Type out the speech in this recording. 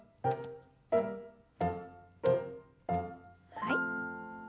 はい。